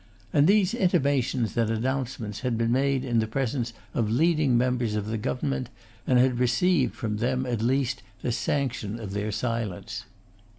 And these intimations and announcements had been made in the presence of leading members of the Government, and had received from them, at least, the sanction of their silence.